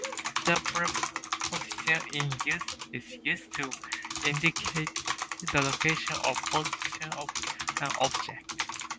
The preposition "in" is used to indicate the location or position of an object.